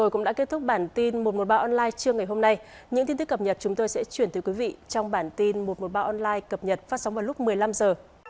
cảm ơn các bạn đã theo dõi và hẹn gặp lại